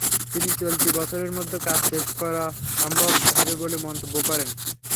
তিনি চলতি বছরের মধ্যে কাজ শেষ করা সম্ভব হবে বলে মন্তব্য করেন।